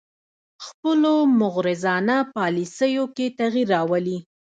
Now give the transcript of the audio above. خپلو مغرضانه پالیسیو کې تغیر راولي